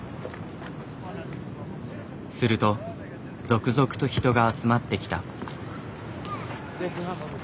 すると続々と人が集まってきた。